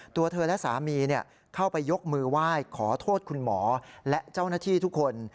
ตัวเธอและสามีเข้าไปยกมือไหว้ขอโทษคุณหมอและเจ้าหน้าที่ทุกคน